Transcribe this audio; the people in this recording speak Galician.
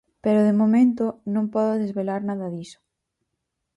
Pero de momento non podo desvelar nada diso.